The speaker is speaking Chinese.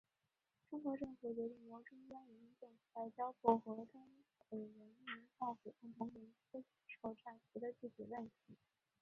中国政府决定由中央人民政府外交部和东北人民政府共同研究接受战俘的具体问题。